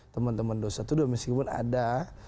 teman teman dua ratus dua belas meskipun ada